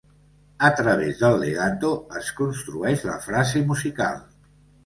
A través del legato es construeix la frase musical.